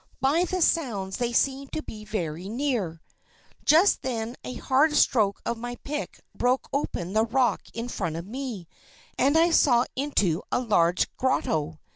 By the sounds they seemed to be very near. Just then a hard stroke of my pick broke open the rock in front of me, and I saw into a large grotto.